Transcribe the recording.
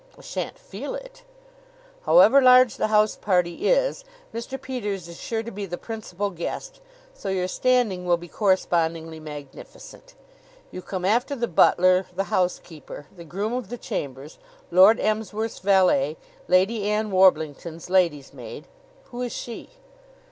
"I shan't feel it." "However large the house party is, Mr. Peters is sure to be the principal guest; so your standing will be correspondingly magnificent. You come after the butler, the housekeeper, the groom of the chambers, Lord Emsworth's valet, Lady Ann Warblington's lady's maid " "Who is she?"